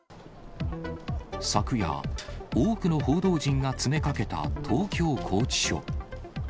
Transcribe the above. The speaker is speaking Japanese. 昨夜、多くの報道陣が詰めかけた東京拘置所。